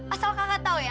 asal kakak tau ya